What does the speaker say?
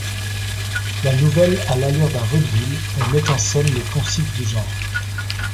La nouvelle a l'allure d'un vaudeville et met en scène les poncifs du genre.